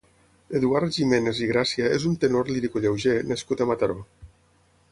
Eduard Giménez i Gràcia és un tenor lírico-lleuger nascut a Mataró.